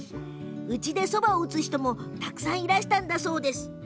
うちで、そばを打つ人もたくさんいたそうです。